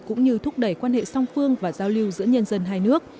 cũng như thúc đẩy quan hệ song phương và giao lưu giữa nhân dân hai nước